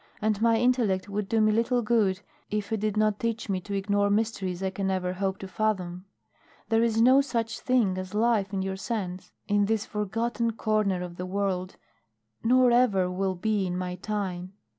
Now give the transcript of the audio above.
"And my intellect would do me little good if it did not teach me to ignore mysteries I can never hope to fathom. There is no such thing as life in your sense in this forgotten corner of the world, nor ever will be in my time.